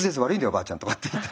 おばあちゃん」とかって言って。